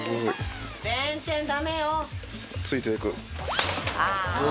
ついていく。